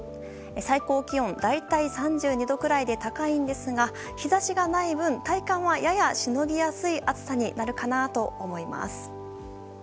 最高気温、大体３２度くらいで高いんですが日差しがない分体感はややしのぎやすい暑さになるかなと思います。